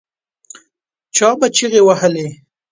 چا به چیغې وهلې.